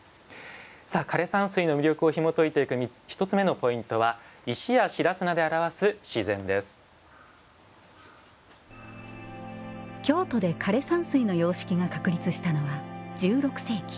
さあ枯山水の魅力をひもといていく１つ目のポイントは京都で枯山水の様式が確立したのは１６世紀。